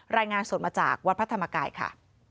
รายงานสดมาจากวัดพระธรรมกายค่ะ